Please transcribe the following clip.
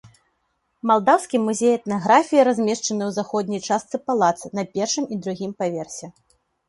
Малдаўскі музей этнаграфіі размешчаны ў заходняй частцы палаца, на першым і другім паверсе.